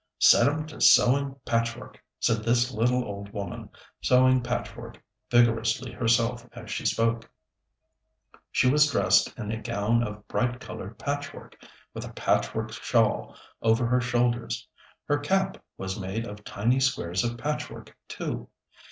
"Set 'em to sewing patchwork," said this little old woman, sewing patchwork vigorously herself as she spoke. She was dressed in a gown of bright colored patchwork, with a patchwork shawl over her shoulders. Her cap was made of tiny squares of patchwork, too.